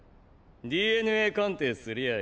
ＤＮＡ鑑定すりゃあ